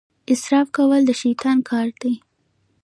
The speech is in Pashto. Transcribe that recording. اسراف کول د شیطان کار دی.